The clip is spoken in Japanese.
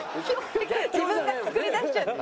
自分が作り出しちゃった。